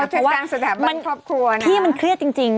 เพราะว่าพี่มันเครียดจริง